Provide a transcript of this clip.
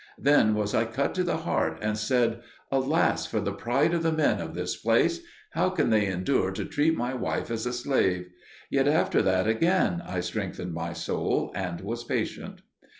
Then was I cut to the heart, and said, "Alas for the pride of the men of this place! How can they endure to treat my wife as a slave?" Yet after that again I strengthened my soul and was patient.